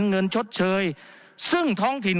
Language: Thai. ชดเชยซึ่งท้องถิ่น